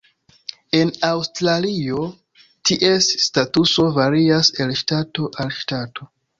En Aŭstralio, ties statuso varias el ŝtato al ŝtato.